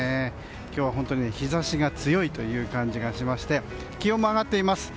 今日は本当に日差しが強いという感じがしまして気温も上がっています。